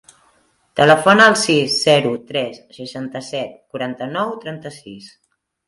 Telefona al sis, zero, tres, seixanta-set, quaranta-nou, trenta-sis.